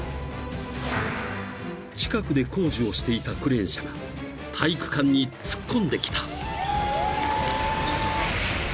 ［近くで工事をしていたクレーン車が体育館に突っ込んできた］